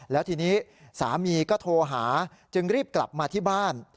แล้วทีนี้สามีก็โทรหาจึงรีบกลับมาที่บ้าน